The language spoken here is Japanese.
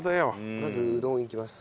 まずうどんいきます。